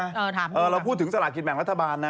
ถามดูค่ะเราพูดถึงสละกินแบ่งรัฐบาลนะ